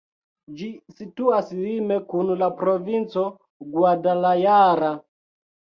Ĝi situas lime kun la provinco Guadalajara.